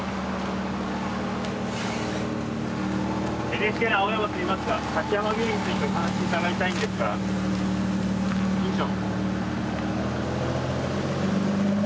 ＮＨＫの青山といいますが滝山病院についてお話伺いたいんですが院長。